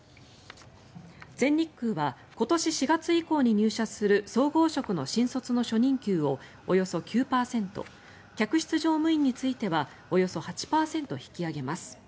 全日空は今年４月以降に入社する総合職の新卒の初任給をおよそ９％客室乗務員についてはおよそ８％引き上げます。